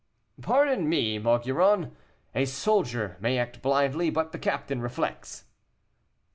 "Pardon me, Maugiron; a soldier may act blindly, but the captain reflects."